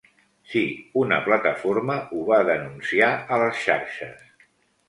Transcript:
Sí, una plataforma ho va denunciar a les xarxes.